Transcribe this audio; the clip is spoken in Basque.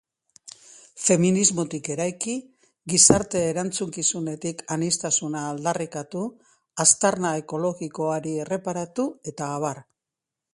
Feminismotik eraiki, gizarte erantzukizunetik aniztasuna aldarrikatu, aztarna ekologikoari erreparatu, eta abar.